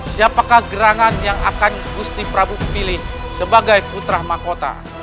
siapakah gerangan yang akan gusti prabu pilih sebagai putra mahkota